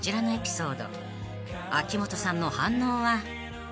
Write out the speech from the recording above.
［秋元さんの反応は？］